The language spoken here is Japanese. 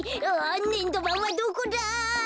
ねんどばんはどこだ！